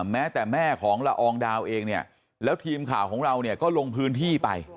แม้แต่แม่ของละอองดาวเองเนี่ยแล้วทีมข่าวของเราเนี่ยก็ลงพื้นที่ไป